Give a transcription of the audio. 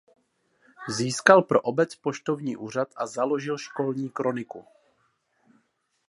Získal pro obec poštovní úřad a založil školní kroniku.